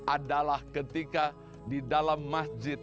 adalah ketika di dalam masjid